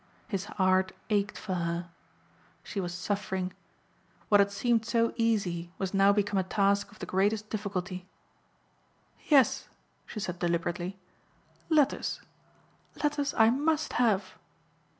His heart ached for her. She was suffering. What had seemed so easy was now become a task of the greatest difficulty. "Yes," she said deliberately, "letters. Letters I must have."